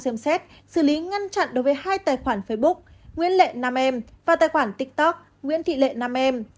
xem xét xử lý ngăn chặn đối với hai tài khoản facebook nguyễn lệ nam em và tài khoản tiktok nguyễn thị lệ nam em